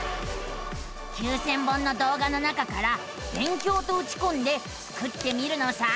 ９，０００本の動画の中から「勉強」とうちこんでスクってみるのさあ。